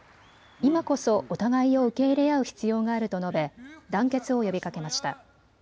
今こそお互いを受け入れ合う必要があると述べ団結を呼びかけました。